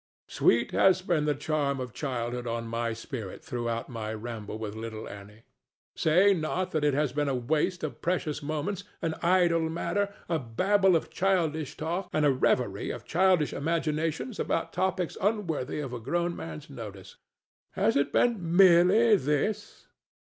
Sweet has been the charm of childhood on my spirit throughout my ramble with little Annie. Say not that it has been a waste of precious moments, an idle matter, a babble of childish talk and a reverie of childish imaginations about topics unworthy of a grown man's notice. Has it been merely this?